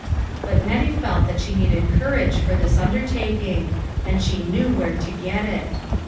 But Nettie felt that she needed courage for this undertaking ; and she knew where to get it.